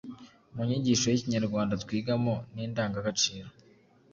Mu nyigisho y’Ikinyarwanda twigamo n’indangagaciro